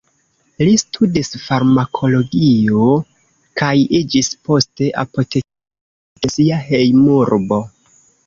Li studis farmakologio kaj iĝis poste apotekisto en sia hejmurbo.